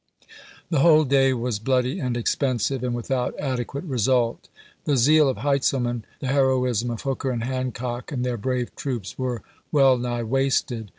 The whole day was bloody and expensive, and without adequate result. The zeal of Heintzelman, the heroism of Hooker and Hancock and their brave troops, were well nigh wasted.